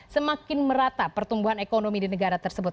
semakin merata pertumbuhan ekonomi di negara tersebut